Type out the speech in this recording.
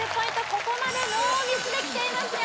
ここまでノーミスできていますよ